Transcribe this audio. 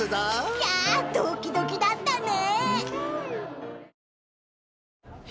［いやぁドキドキだったね！］